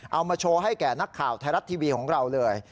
เอามาโชว์ให้แก่นักข่าวไทยรัฐทีวีของเราเลย